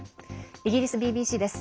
イギリスＢＢＣです。